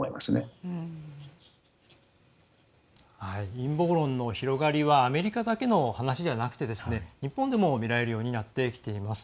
陰謀論の広がりはアメリカだけの話じゃなくて日本でも見られるようになってきています。